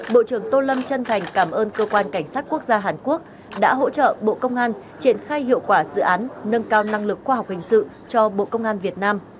bộ trưởng tô lâm chân thành cảm ơn cơ quan cảnh sát quốc gia hàn quốc đã hỗ trợ bộ công an triển khai hiệu quả dự án nâng cao năng lực khoa học hình sự cho bộ công an việt nam